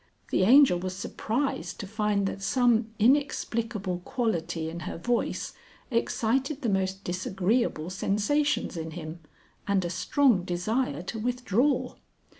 The Angel was surprised to find that some inexplicable quality in her voice excited the most disagreeable sensations in him and a strong desire to withdraw.